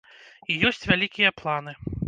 І ёсць вялікія планы.